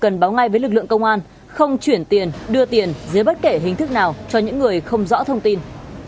cần báo ngay với lực lượng công an không chuyển tiền đưa tiền dưới bất kể hình thức nào cho những người không rõ thông tin